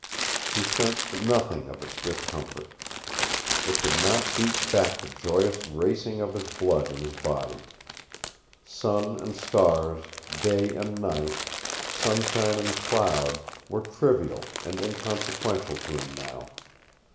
He sensed nothing of its discomfort. It could not beat back the joyous racing of the blood in his body. Sun and stars, day and night, sunshine and cloud, were trivial and inconsequential to him now.